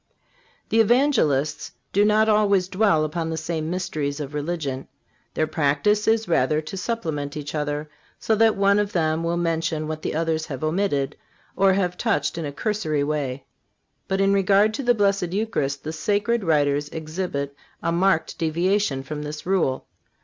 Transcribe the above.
The Evangelists do not always dwell upon the same mysteries of religion. Their practice is rather to supplement each other, so that one of them will mention what the others have omitted or have touched in a cursory way. But in regard to the Blessed Eucharist the sacred writers exhibit a marked deviation from this rule.